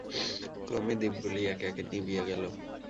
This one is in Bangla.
ক্রমে দীপগুলি একে একে নিবিয়া গেল।